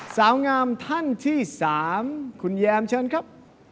สาวงามท่านที่๓คุณแยมเชิญครับ